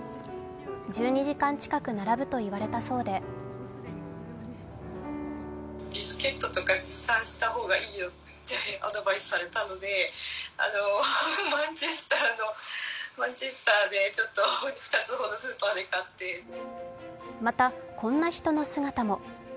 １２時間近く並ぶといわれたそうでまた、こんな人の姿も。